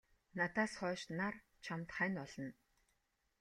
Надаас хойш нар чамд хань болно.